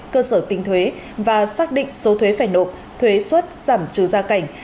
cơ sở tinh thuế và xác định số thuế phải nộp thuế xuất giảm trừ gia cảnh